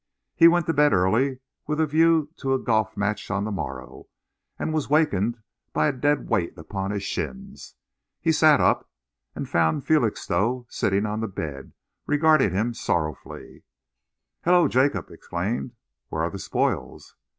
He went to bed early, with a view to a golf match on the morrow, and was wakened by a dead weight upon his shins. He sat up and found Felixstowe sitting on the bed, regarding him sorrowfully. "Hullo!" Jacob exclaimed. "Where are the spoils?"